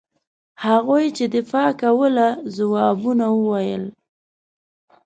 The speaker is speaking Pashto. هغوی چې دفاع کوله ځوابونه وویل.